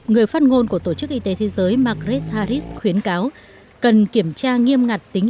người phát ngôn của tổ chức y tế thế giới margred harris khuyến cáo cần kiểm tra nghiêm ngặt tính